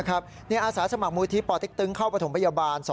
อาสาสมัครมูลที่ปเต็กตึงเข้าประถมพยาบาล